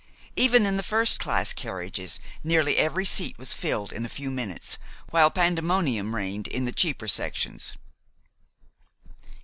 Even in the first class carriages nearly every seat was filled in a few minutes, while pandemonium reigned in the cheaper sections.